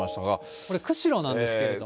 これ、釧路なんですけれども。